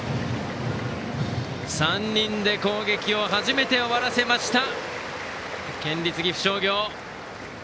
３人で攻撃を初めて終わらせました、県立岐阜商業。